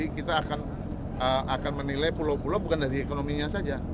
kita akan menilai pulau pulau bukan dari ekonominya saja